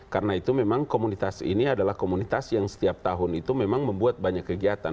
karena itu komunitas ini adalah komunitas yang setiap tahun membuat banyak kegiatan